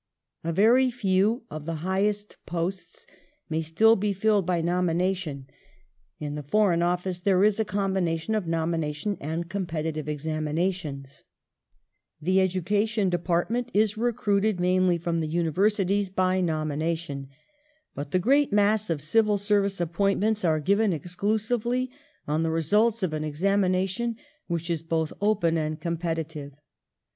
A very few of the highest posts may still be filled by nomination ; in the Foreign Office there is a combination of nomi nation and competitive examination ; the Education Department is recruited mainly from the Univei*sities by nomination ; but the great mass of Civil Service appointments are given exclusively on the results of an examination which is both open and competitive.